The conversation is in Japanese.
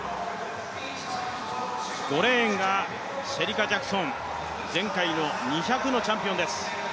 ５レーンがシェリカ・ジャクソン、前回の２００のチャンピオンです。